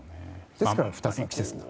ですから２つの季節と。